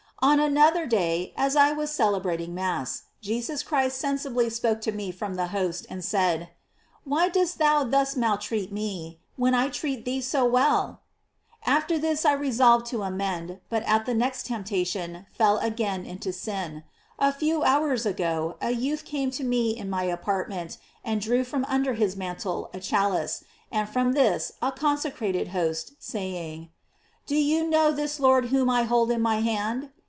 On another day, as I was celebrating Mass, Je eus Christ sensibly spoke to me from the host, and said: 'Why dost thou thus maltreat me, when I treat thee so well ?' After this I re solved to amend, but at the next temptation fell again into sin. A few hours ago, a youth came to me in my apartment, and drew from under his mantle a chalice, and from this a consecrated host, saying: 'Do you know this Lord whom I hold in ray hand